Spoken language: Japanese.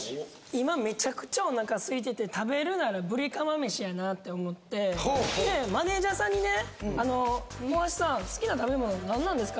今メチャクチャおなかすいてて食べるなら「ぶりかまめし」やなって思ってでマネージャーさんにね「大橋さん好きな食べ物何なんですか？」